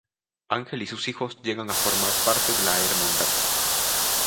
Angel y sus hijos llegan a formar parte de la Hermandad.